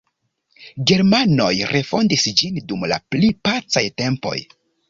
Germanoj refondis ĝin dum la pli pacaj tempoj.